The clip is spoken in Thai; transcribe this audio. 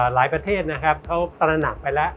หลายประเทศเขาตระหนักไปแล้ว